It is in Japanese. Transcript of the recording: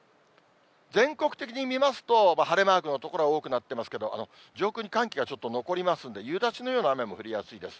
全国的に見ますと、晴れマークの所が多くなってますけど、上空に寒気がちょっと残りますんで、夕立のような雨も降りやすいです。